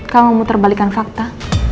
kamu muter balikan fakta